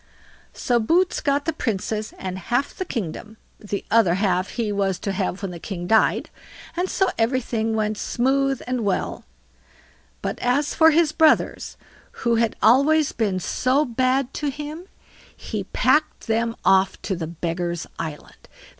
So Boots got the Princess and half the kingdom—the other half he was to have when the king died; and so everything went smooth and well; but as for his brothers, who had always been so bad to him, he packed them off to the Beggars' island.